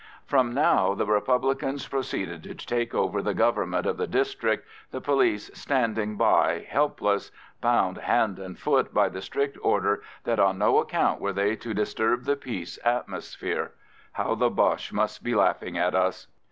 From now the Republicans proceeded to take over the government of the district, the police standing by helpless, bound hand and foot by the strict order that on no account were they to disturb the peace atmosphere. How the Boches must be laughing at us!